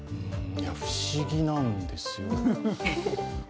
不思議なんですよ。